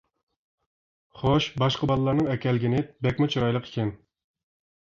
خوش باشقا باللارنىڭ ئەكەلگىنى بەكمۇ چىرايلىق ئىكەن.